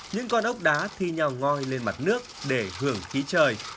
những con ốc đá thi nhào ngoi lên mặt nước để hưởng khí trời